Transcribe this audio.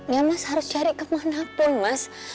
ya mas harus cari kemanapun mas